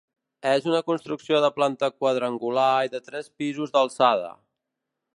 És una construcció de planta quadrangular i de tres pisos d'alçada.